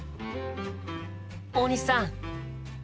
大西さん！